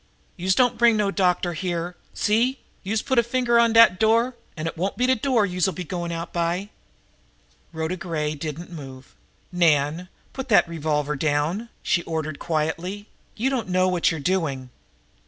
"Youse don't bring no doctor here! See! Youse put a finger on dat door, an' it won't be de door yousel'l go out by!" Rhoda Gray did not move. "Nan, put that revolver down!" she ordered quietly. "You don't know what you are doing."